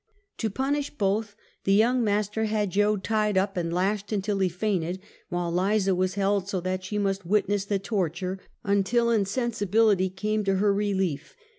To punish both, the young master had Jo tied up and lashed until he faint ed, while Liza was held so that she must witness the torture, until insensibility came to her relief.